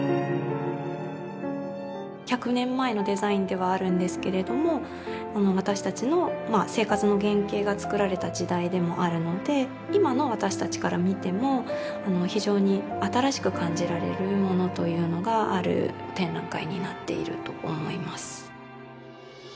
１００年前のデザインではあるんですけれども私たちの生活の原型が作られた時代でもあるので今の私たちから見ても非常に新しく感じられるものというのがある展覧会になっていると思います。